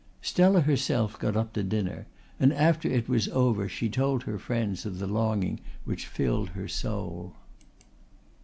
Stella herself got up to dinner, and after it was over she told her friends of the longing which filled her soul.